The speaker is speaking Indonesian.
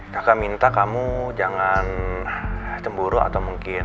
kakak minta kamu jangan cemburu atau mungkin